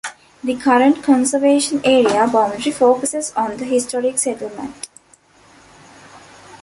The current conservation area boundary focuses on the historic settlement.